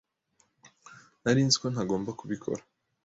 Nari nzi ko ntagomba kubikora.